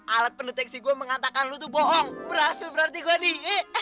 alat pendeteksi gua mengatakan lu tuh bohong berhasil berarti gua nih